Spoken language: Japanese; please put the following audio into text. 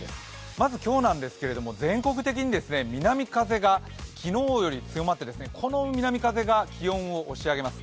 まず今日なんですけど、全国的に気温が昨日より強まって、この南風が気温を押し上げます。